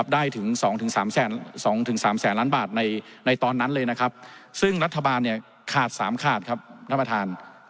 ได้ถึง๒๓แสนล้านบาทในตอนนั้นเลยนะครับซึ่งรัฐบาลขาด๓ขาดครับท่านประธาน